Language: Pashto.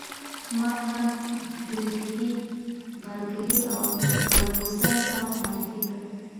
ما کانت ګریفي بارکلي او فرګوسن ته معرفي کړ.